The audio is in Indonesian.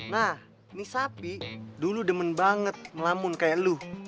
nah ini sapi dulu demen banget melamun kayak lu